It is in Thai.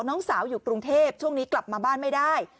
น้องสาวอยู่กรุงเทพช่วงนี้กลับมาบ้านไม่ได้